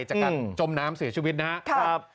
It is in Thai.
จากการจมน้ำเสียชีวิตนะครับ